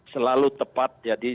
selalu tepat jadi